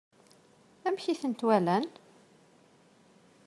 Amek i tent-walan?